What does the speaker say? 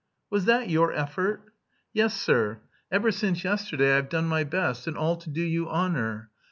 "Was that your effort?" "Yes, sir. Ever since yesterday I've done my best, and all to do you honour....